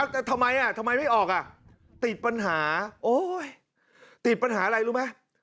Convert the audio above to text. แต่ทำไมไม่ออกติดปัญหาติดปัญหาอะไรรู้ไหม